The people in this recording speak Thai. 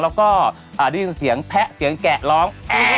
แล้วก็ได้ยินเสียงแพะเสียงแกะร้อง